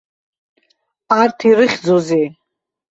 Арҭ ирыхьӡузеи?!